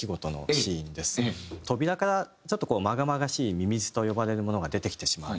扉からちょっとこうまがまがしい“ミミズ”と呼ばれるものが出てきてしまう。